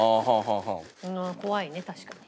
怖いね確かに。